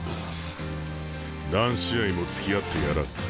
何試合もつきあってやらん。